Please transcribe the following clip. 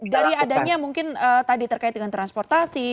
dari adanya mungkin tadi terkait dengan transportasi